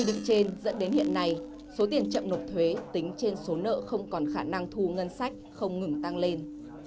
định trên dẫn đến hiện nay số tiền chậm nộp thuế tính trên số nợ không còn khả năng thu ngân sách không ngừng tăng lên